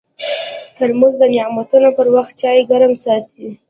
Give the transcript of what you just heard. ترموز د نعتونو پر وخت چای ګرم ساتي.